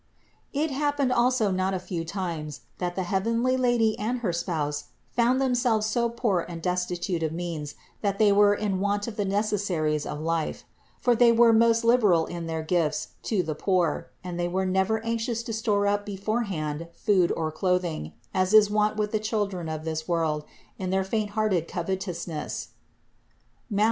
It happened also not a few times that the heavenly Lady and her spouse found themselves so poor and desti tute of means that they were in want of the necessaries of life ; for they were most liberal in their gifts to the poor, and they were never anxious to store up beforehand food or clothing, as is wont with the children of this world in their faint hearted covetousness (Matth.